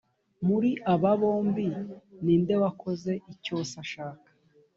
muri abo bombi ni nde wakoze icyo se ashaka